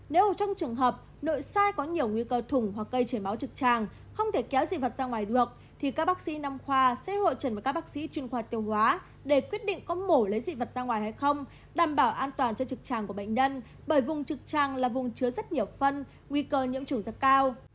nếu trong trường hợp nội sai có nhiều nguy cơ thủng hoặc cây chảy máu trực tràng không thể kéo dị vật ra ngoài được thì các bác sĩ năm khoa sẽ hội trần với các bác sĩ chuyên khoa tiêu hóa để quyết định có mổ lấy dị vật ra ngoài hay không đảm bảo an toàn cho trực tràng của bệnh nhân bởi vùng trực tràng là vùng chứa rất nhiều phân nguy cơ nhiễm trùng rất cao